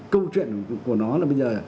câu chuyện của nó là bây giờ